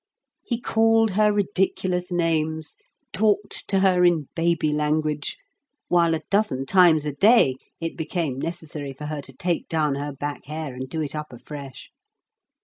He called her ridiculous names, talked to her in baby language; while a dozen times a day it became necessary for her to take down her back hair and do it up afresh.